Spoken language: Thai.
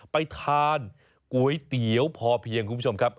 ไปทานก๋วยเตี๋ยวพอเพียงคุณผู้ชมครับ